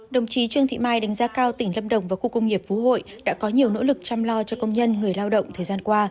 đồng chí trương thị mai đánh giá cao tỉnh lâm đồng và khu công nghiệp phú hội đã có nhiều nỗ lực chăm lo cho công nhân người lao động thời gian qua